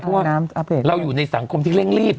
เพราะว่าเราอยู่ในสังคมที่เร่งรีบ